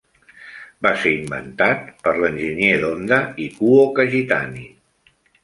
Va ser inventat per l'enginyer d'Honda Ikuo Kajitani.